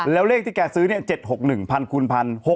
แล้วเลขที่แกซื้อนี่๗๖๑พานคูลพัน